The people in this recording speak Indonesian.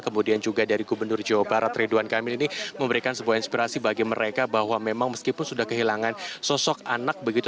kemudian juga dari gubernur jawa barat ridwan kamil ini memberikan sebuah inspirasi bagi mereka bahwa memang meskipun sudah kehilangan sosok anak begitu